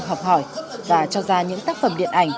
học hỏi và cho ra những tác phẩm điện ảnh